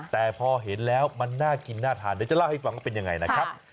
แต่พอเห็นแล้วมันน่ากินน่าทานเดี๋ยวจะเล่าให้ฟังว่าเป็นยังไงนะครับ